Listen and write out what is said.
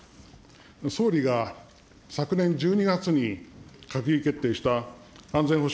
総理が昨年１２月に閣議決定した安全保障